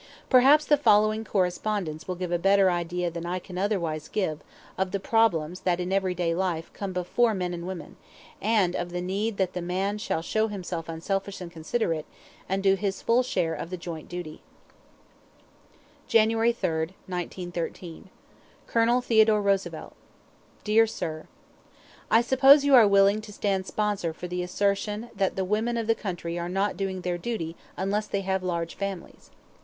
Perhaps the following correspondence will give a better idea than I can otherwise give of the problems that in everyday life come before men and women, and of the need that the man shall show himself unselfish and considerate, and do his full share of the joint duty: January 3, 1913. Colonel Theodore Roosevelt: Dear Sir I suppose you are willing to stand sponsor for the assertion that the women of the country are not doing their duty unless they have large families.